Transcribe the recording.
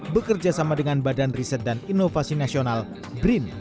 bekerja sama dengan badan riset dan inovasi nasional brin